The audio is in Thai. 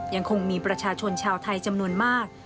ยังคงมีประชาชนชาวไทยจำนวนมาก